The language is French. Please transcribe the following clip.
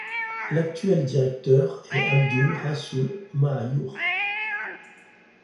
L'actuel directeur est Abdul Rasul Mahajoor.